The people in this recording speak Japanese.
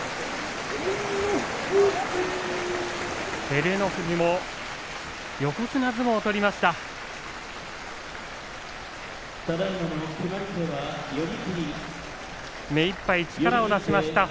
照ノ富士も横綱相撲を取りました。